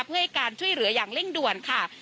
เพื่อให้การช่วยเหลืออย่างเร่งด่วนค่ะ